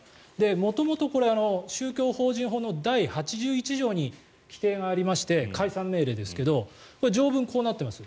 元々、宗教法人法の第８１条に規定がありまして解散命令ですが条文はこうなっています。